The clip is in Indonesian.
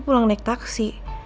pulang naik taksi